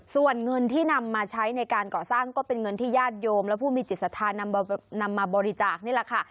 ส่วนเงินที่นำมาใช้ในการก่อสร้างก็เป็นเงินที่ญาติโยมและผู้มีจิตศรัทธานำมาบริจาคนี่แหละค่ะ